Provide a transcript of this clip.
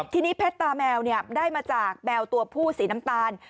ทีนี้เพชรตาแมวได้มาจากแมวตัวผู้สีน้ำตาล